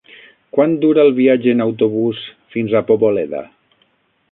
Quant dura el viatge en autobús fins a Poboleda?